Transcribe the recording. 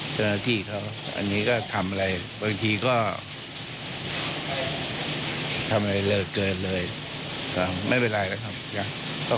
เจ้าหน้าที่เขาอันนี้ก็ทำอะไรบางทีก็ทำอะไรเลอเกินเลยไม่เป็นไรแล้วครับ